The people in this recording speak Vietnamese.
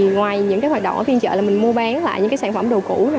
ngoài những hoạt động ở phiên chợ là mình mua bán lại những sản phẩm đồ cũ